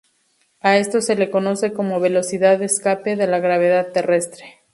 A esto se le conoce como velocidad de escape de la gravedad terrestre.